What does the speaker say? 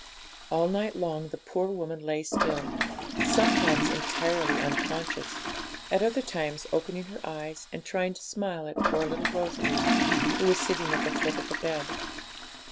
All night long the poor woman lay still, sometimes entirely unconscious, at other times opening her eyes and trying to smile at poor little Rosalie, who was sitting at the foot of the bed.